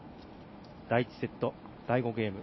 第１セット、第５ゲーム。